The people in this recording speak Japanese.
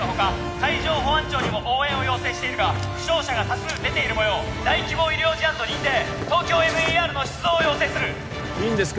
海上保安庁にも応援を要請しているが負傷者が多数出ているもよう大規模医療事案と認定ＴＯＫＹＯＭＥＲの出動を要請するいいんですか？